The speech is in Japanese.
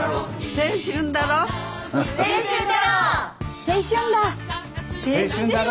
青春だろ！